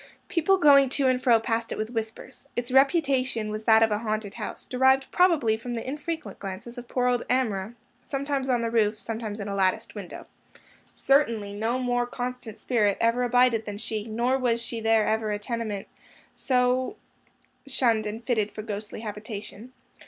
People going to and fro passed it with whispers. Its reputation was that of a haunted house; derived probably from the infrequent glimpses of poor old Amrah, sometimes on the roof, sometimes in a latticed window. Certainly no more constant spirit ever abided than she; nor was there ever a tenement so shunned and fitted for ghostly habitation.